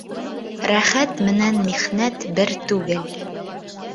Рәхәт менән михнәт бер түгел.